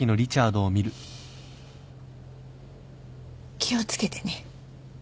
気を付けてね。